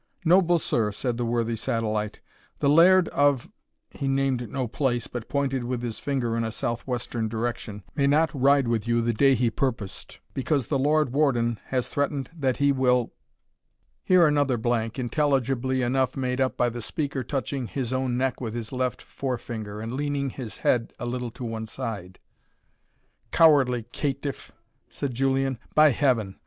"Noble sir," said that worthy satellite, "the Laird of ," he named no place, but pointed with his finger in a south western direction, "may not ride with you the day he purposed, because the Lord Warden has threatened that he will " Here another blank, intelligibly enough made up by the speaker touching his own neck with his left fore finger, and leaning his head a little to one side. "Cowardly caitiff!" said Julian; "by Heaven!